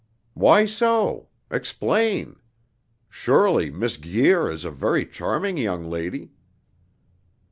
"Why so? Explain. Surely Miss Guir is a very charming young lady."